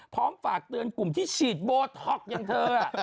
พร้อมฝากเตือนกลุ่มที่ฉีดโบท็อกอย่างเธอ